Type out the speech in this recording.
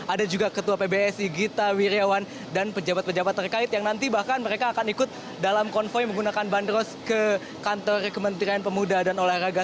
ada juga ketua pbsi gita wirjawan dan pejabat pejabat terkait yang nanti bahkan mereka akan ikut dalam konvoy menggunakan bandros ke kantor kementerian pemuda dan olahraga